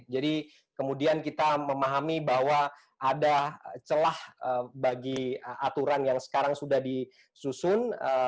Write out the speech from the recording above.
jadi kemudian kita memahami bahwa ada celah bagi aturan yang sekarang sudah disusun